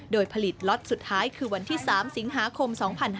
โดยผลิตล็อตสุดท้ายคือวันที่๓สิงหาคม๒๕๕๙